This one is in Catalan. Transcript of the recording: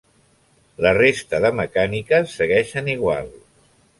La resta de mecàniques segueixen igual.